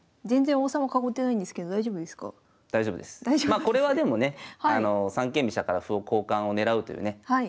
まあこれはでもね三間飛車から歩を交換を狙うというね。